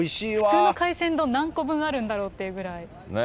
普通の海鮮丼、何個分あるんだろうっていうぐらい。